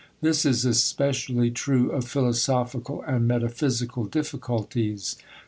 This is especially true of philosophical and metaphysical difficulties.